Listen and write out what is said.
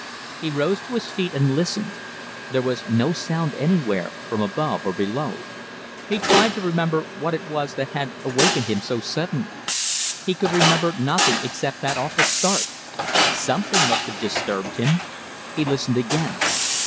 He rose to his feet and listened. There was no sound anywhere, from above or below. He tried to remember what it was that had awakened him so suddenly. He could remember nothing except that awful start. Something must have disturbed him! He listened again.